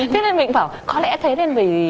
thế nên mình cũng bảo có lẽ thế nên vì